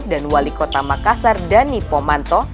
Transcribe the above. dan wali kota makassar dhani pomanto